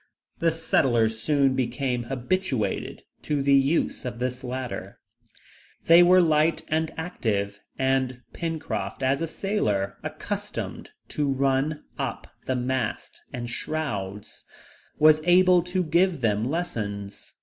The settlers soon became habituated to the use of this ladder. They were light and active, and Pencroft, as a sailor, accustomed to run up the masts and shrouds, was able to give them lessons.